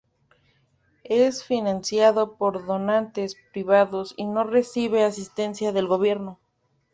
Es financiado por donantes privados y no recibe asistencia del gobierno.